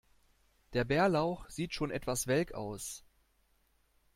Der Bärlauch sieht schon etwas welk aus.